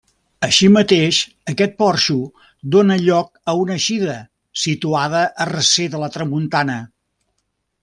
Així mateix aquest porxo dóna lloc a una eixida, situada a recer de la tramuntana.